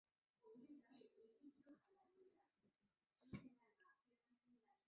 而尼禄本人及当时的早期基督教徒在这件事的角色更是众说纷纭。